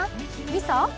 みそ？